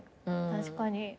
確かに。